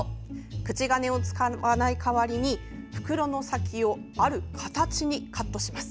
口金を使わない代わりに袋の先を、ある形にカットします。